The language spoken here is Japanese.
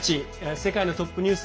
世界のトップニュース」。